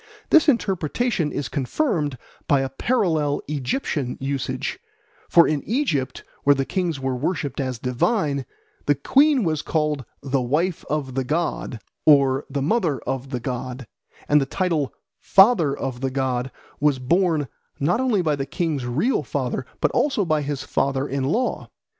This interpretation is confirmed by a parallel Egyptian usage; for in Egypt, where the kings were worshipped as divine, the queen was called "the wife of the god" or "the mother of the god," and the title "father of the god" was borne not only by the king's real father but also by his father in law.